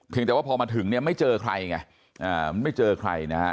แต่ว่าพอมาถึงเนี่ยไม่เจอใครไงไม่เจอใครนะฮะ